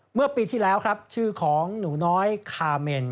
เมื่อปีที่แล้วครับชื่อของหนูน้อยคาเมน